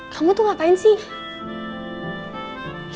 kamu tuh ngapain sih